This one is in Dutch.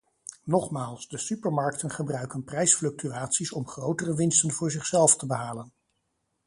Nogmaals, de supermarkten gebruiken prijsfluctuaties om grotere winsten voor zichzelf te behalen.